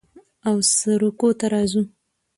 او سروکو ته راځو